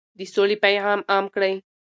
د سولې پیغام عام کړئ.